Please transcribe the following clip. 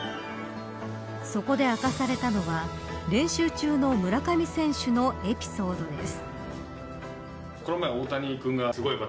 そこで明かされたのは練習中の村上選手のエピソードです。